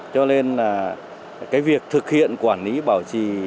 cho nên là cái việc thực hiện quản lý bảo trì